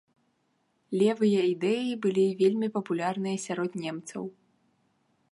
Левыя ідэі былі вельмі папулярныя сярод немцаў.